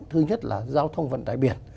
thứ nhất là giao thông vận đại biển